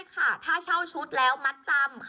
คุณก็เอาเงินมัดจำไปใช่ไหมแบบนี้มันไม่ได้ค่ะ